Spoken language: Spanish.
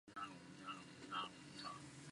Con las avispas ganaría la liga y la Anglo-Welsh Cup.